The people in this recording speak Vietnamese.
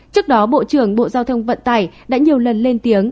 trước đó bộ trưởng bộ giao thông vận tải đã nhiều lần lên tiếng